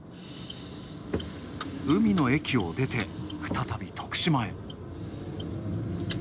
海の駅を出て、再び徳島へ。